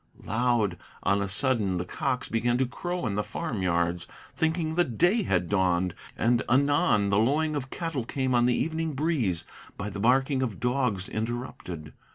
Loud on a sudden the cocks began to crow in the farm yards, Thinking the day had dawned; and anon the lowing of cattle Came on the evening breeze, by the barking of dogs interrupted.